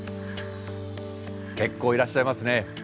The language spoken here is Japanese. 結構いらっしゃいますね。